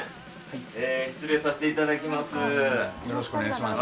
失礼させていただきます。